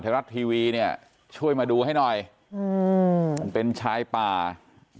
รัฐทีวีเนี่ยช่วยมาดูให้หน่อยอืมมันเป็นชายป่า